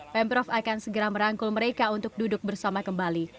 pemprov akan segera merangkul mereka untuk duduk bersama kembali